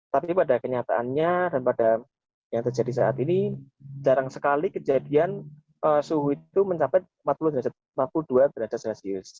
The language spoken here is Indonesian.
tapi pada kenyataannya dan pada yang terjadi saat ini jarang sekali kejadian suhu itu mencapai empat puluh dua derajat celcius